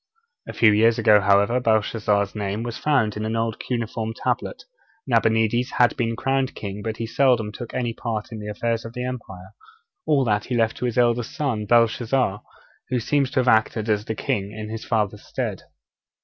A few years ago, however, Belshazzar's name was found on an old cuneiform tablet. Nabonides had been crowned king, but he seldom took any part in the affairs of the empire. All that he left to his eldest son, Belshazzar, who seems to have acted as king in his father's stead.